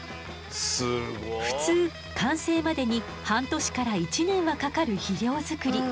普通完成までに半年から１年はかかる肥料作り。